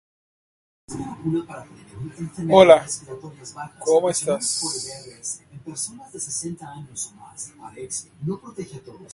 Se encuentran distribuidos por Eurasia, África y Oceanía.